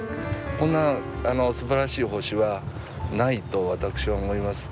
こんなすばらしい星はないと私は思います。